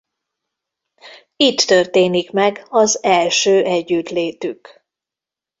Itt történik meg az első együttlétük.